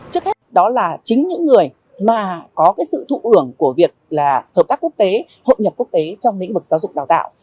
trước hết đó là chính những người mà có cái sự thụ hưởng của việc là hợp tác quốc tế hội nhập quốc tế trong lĩnh vực giáo dục đào tạo